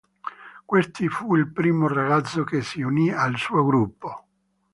Questi fu il primo ragazzo che si unì al suo gruppo.